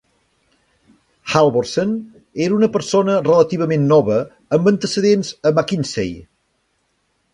Halvorsen era una persona relativament nova amb antecedents a McKinsey.